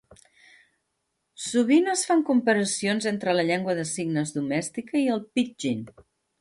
Sovint es fan comparacions entre la llengua de signes domèstica i el pidgin.